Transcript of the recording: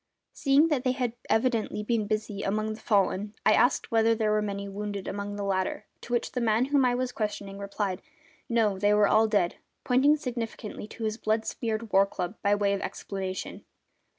Seeing that they had evidently been busy among the fallen I asked whether there were many wounded among the latter, to which the man whom I was questioning replied: No, they were all dead! pointing significantly to his blood smeared war club by way of explanation.